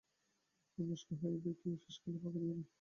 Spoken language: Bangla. রমেশ কহিল, দেখিয়ো, শেষকালে ফাঁকি দিয়ো না।